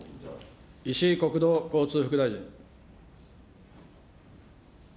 石井国土交通副大臣。